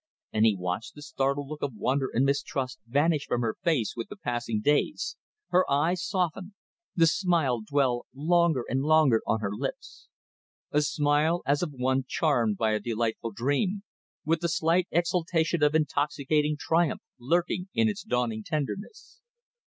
And he watched the startled look of wonder and mistrust vanish from her face with the passing days, her eyes soften, the smile dwell longer and longer on her lips; a smile as of one charmed by a delightful dream; with the slight exaltation of intoxicating triumph lurking in its dawning tenderness.